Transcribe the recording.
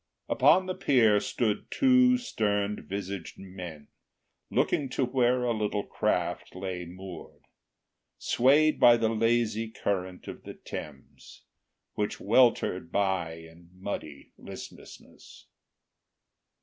Upon the pier stood two stern visaged men, Looking to where a little craft lay moored, Swayed by the lazy current of the Thames, Which weltered by in muddy listlessness.